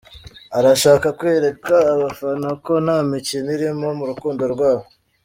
Arashaka kwereka abafana ko nta mikino irimo mu rukundo rwabo.